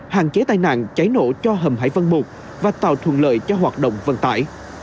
hạn chế tai nạn cháy nổ cho hầm hải vân một và tạo thuận lợi cho hoạt động vận tải